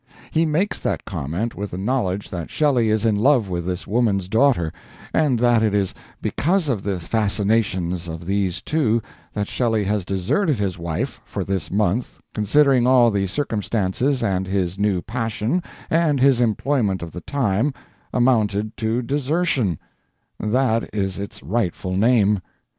He makes that comment with the knowledge that Shelley is in love with this woman's daughter, and that it is because of the fascinations of these two that Shelley has deserted his wife for this month, considering all the circumstances, and his new passion, and his employment of the time, amounted to desertion; that is its rightful name.